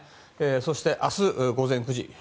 そして明日午前９時。